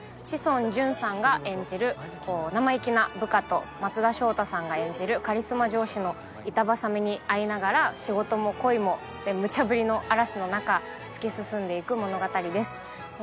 志尊淳さんが演じるナマイキな部下と松田翔太さんが演じるカリスマ上司の板挟みに遭いながら仕事も恋もムチャブリの嵐の中突き進んで行く物語です。